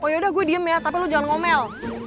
oh yaudah gue diem ya tapi lu jangan ngomel